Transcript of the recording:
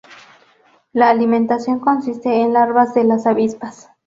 La alimentación consiste en larvas de las avispas.